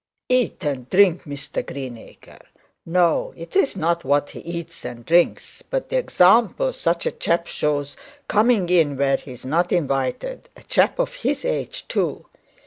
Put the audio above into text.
'Eat and drink, Mr Greenacre! No. it's not what he eats and drinks; but the example such a chap shows, coming in where he's not invited a chap of his age too.